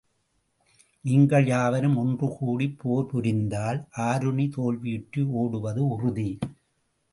நீங்கள் யாவரும் ஒன்று கூடிப் போர் புரிந்தால், ஆருணி தோல்வியுற்று ஓடுவது உறுதி.